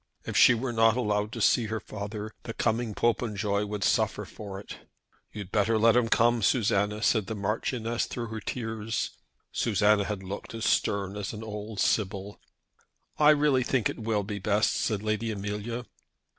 If she were not allowed to see her father, the coming Popenjoy would suffer for it. "You'd better let him come, Susanna," said the Marchioness through her tears. Susanna had looked as stern as an old sibyl. "I really think it will be best," said Lady Amelia.